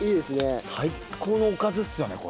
最高のおかずっすよねこれ。